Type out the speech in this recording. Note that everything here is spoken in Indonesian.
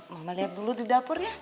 mama lihat dulu di dapurnya